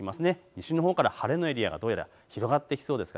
西のほうから晴れのエリアが広がってきます。